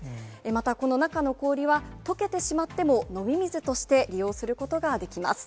またこの中の氷は、とけてしまっても、飲み水として利用することができます。